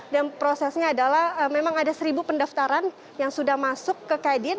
dan prosesnya adalah memang ada seribu pendaftaran yang sudah masuk ke kadin